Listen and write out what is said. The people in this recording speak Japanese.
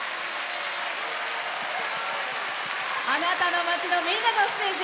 あなたの街の、みんなのステージ